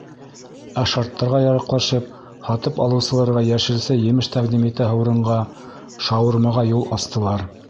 Ә шарттарға яраҡлашып, һатып алыусыларға йәшелсә-емеш тәҡдим итәһе урынға, шаурмаға юл астылар.